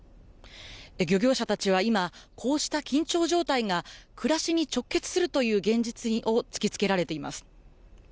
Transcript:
漁業者たちは今、こうした緊張状態が暮らしに直結するという現実を突きつけられています。